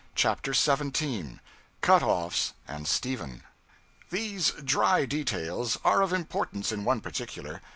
CHAPTER 17 Cut offs and Stephen THESE dry details are of importance in one particular.